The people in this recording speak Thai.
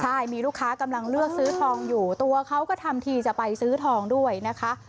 ใช่มีลูกค้ากำลังเลือกซื้อทองอยู่ตัวเขาก็ทำทีจะไปซื้อทองด้วยนะคะ